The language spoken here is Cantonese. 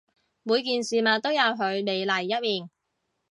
每件事物都有佢美麗一面